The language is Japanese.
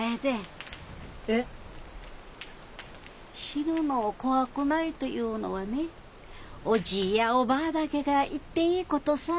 死ぬの怖くないというのはねおじぃやおばぁだけが言っていいことさ。